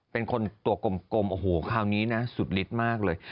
เป็นคนตัวกลมโอ้โหคราวนี้นะสุดฤทธิ์มากเลย